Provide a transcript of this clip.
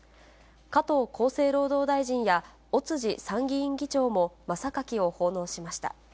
加藤厚生労働大臣や尾辻参議院議長も真榊を奉納しました。